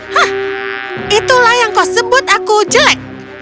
hah itulah yang kau sebut aku jelek